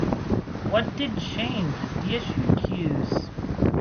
What did change is the issue queues.